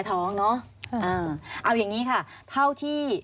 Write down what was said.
มันจอดอย่างง่ายอย่างง่ายอย่างง่าย